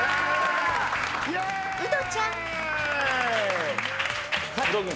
［ウドちゃん］